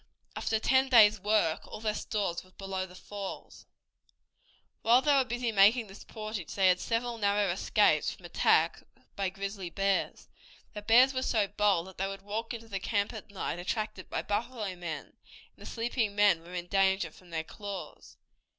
After ten days' work all their stores were above the falls. While they were busy making this portage they had several narrow escapes from attacks by grizzly bears. The bears were so bold that they would walk into the camp at night, attracted by buffalo meat, and the sleeping men were in danger from their claws.